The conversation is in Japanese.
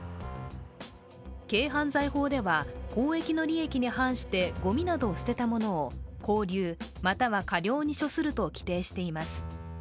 軽犯罪法では公益の利益の反してごみなどを捨てた者を拘留または科料に処すると規定しています。